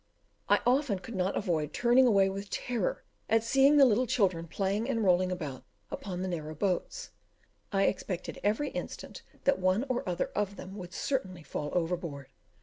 I often could not avoid turning away with terror at seeing the little children playing and rolling about upon the narrow boats, I expected every instant that one or other of them would certainly fall overboard.